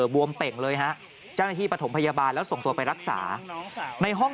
บวมเต่งเลยฮะแจ้งนาธิปฐมพยาบาลแล้วส่งตัวไปรักษาในห้อง